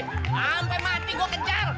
sampai mati gue kejar